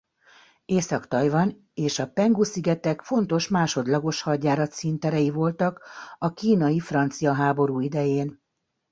Észak-Tajvan és a Penghu-szigetek fontos másodlagos hadjárat színterei voltak a kínai–francia háború idején.